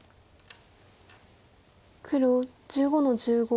黒１５の十五。